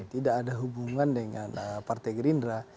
tidak ada hubungan dengan partai gerindra